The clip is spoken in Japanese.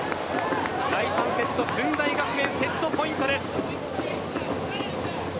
第３セット駿台学園セットポイントです。